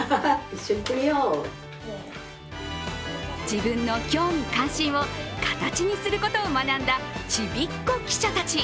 自分の興味関心を形にすることを学んだちびっ子記者たち。